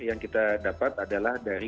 yang kita dapat adalah dari